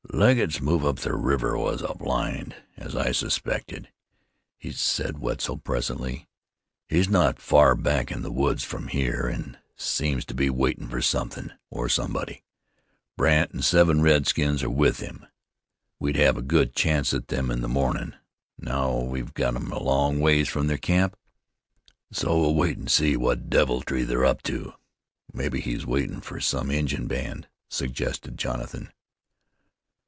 "Legget's move up the river was a blind, as I suspected," said Wetzel, presently. "He's not far back in the woods from here, an' seems to be waitin' fer somethin' or somebody. Brandt an' seven redskins are with him. We'd hev a good chance at them in the mornin'; now we've got 'em a long ways from their camp, so we'll wait, an' see what deviltry they're up to." "Mebbe he's waitin' for some Injun band," suggested Jonathan.